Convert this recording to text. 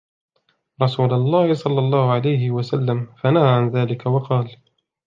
رَسُولِ اللَّهِ صَلَّى اللَّهُ عَلَيْهِ وَسَلَّمَ فَنَهَى عَنْ ذَلِكَ وَقَالَ